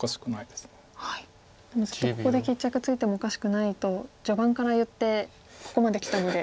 でも「ここで決着ついてもおかしくない」と序盤から言ってここまできたので。